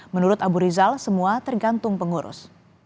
menurut abu rizal semua tergantung pengurus